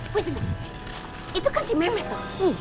wih itu kan si memet tuh